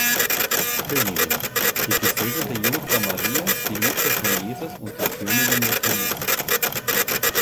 Königin: die gesegnete Jungfrau Marie, die Mutter von Jesus und die Königin des Himmels.